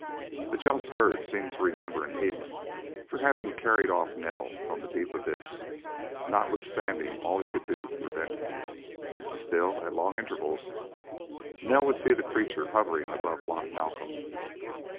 The jealous bird seemed to remember and hate him for having carried off Nell from the deep abyss, notwithstanding all he could do to prevent him. Still, at long intervals, Nell would see the creature hovering above Loch Malcolm.